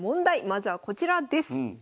まずはこちらです。